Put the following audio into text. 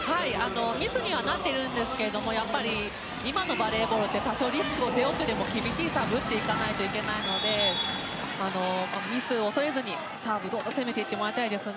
ミスにはなっていますが今のバレーボールって多少リスクを背負ってでも厳しいサーブを打っていかないといけないのでミスを恐れずにサーブ、どんどん攻めていってもらいたいです。